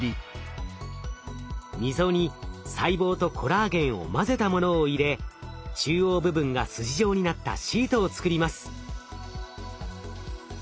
溝に細胞とコラーゲンを混ぜたものを入れ中央部分が筋状になったシートを作ります。